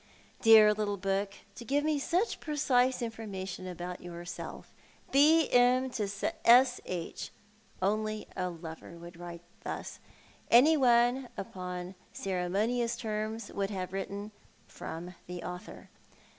Dear little book, to give me such precise information about yourself. " B. M. to S. H." Only a lover would write thus. Any one upon cere monious terms would have written, " From the author."